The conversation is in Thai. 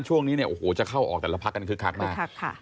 ช่วงนี้เนี่ยโอ้โหจะเข้าออกแต่ละพักกันคึกคักมาก